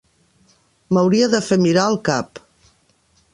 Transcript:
M'hauria de fer mirar el cap.